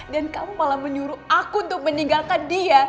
dan kamu malah menyuruh aku untuk meninggalkan dia